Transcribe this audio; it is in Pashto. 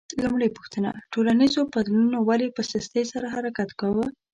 لومړۍ پوښتنه: ټولنیزو بدلونونو ولې په سستۍ سره حرکت کاوه؟